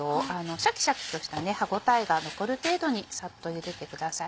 シャキシャキとした歯応えが残る程度にサッと茹でてください。